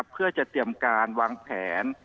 เพื่อจะเตรียมการวางแผน